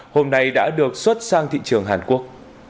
hôm nay đã được xuất sang thị trường hàn quốc